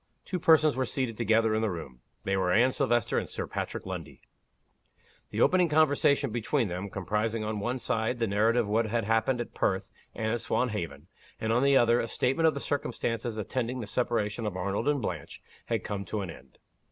Two persons were seated together in the room: they were Anne Silvester and Sir Patrick Lundie. The opening conversation between them comprising, on one side, the narrative of what had happened at Perth and at Swanhaven; and, on the other, a statement of the circumstances attending the separation of Arnold and Blanche had come to an end.